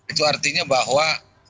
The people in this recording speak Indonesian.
itu artinya bahwa